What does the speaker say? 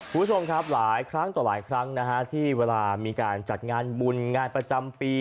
คุณผู้ชมครับหลายครั้งต่อหลายครั้งนะฮะที่เวลามีการจัดงานบุญงานประจำปี